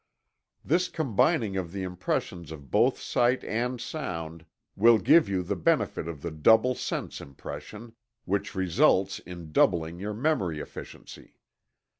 This combining of the impressions of both sight and sound will give you the benefit of the double sense impression, which results in doubling your memory efficiency.